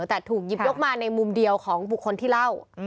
แต่ถูกหยิบยกมาในมุมเดียวของบุคคลที่เล่า